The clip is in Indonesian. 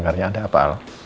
nanti aja lah